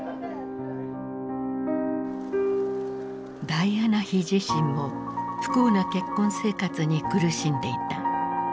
ダイアナ妃自身も不幸な結婚生活に苦しんでいた。